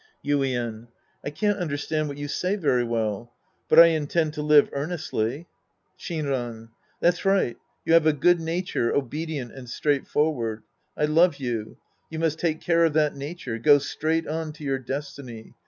Yuien. I can't understand what you say very well. But I intend to live earnestly. Shinran. That's right. You have a good nature, obedient and straightforward. I love you. You must take care of that nature. Go straight on to your destiny.